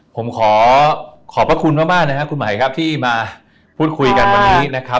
ผมขอขอบพระคุณมากคุณหมายครับที่มาพูดคุยกันวันนี้